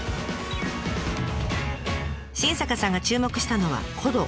新坂さんが注目したのは古道。